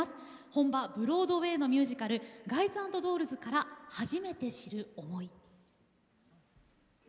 本場ブロードウェイのミュージカル「ガイズ＆ドールズ」から「初めて知る想い」。